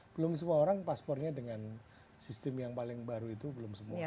belum semua orang paspornya dengan sistem yang paling baru itu belum semua